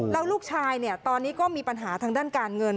แล้วลูกชายตอนนี้ก็มีปัญหาทางด้านการเงิน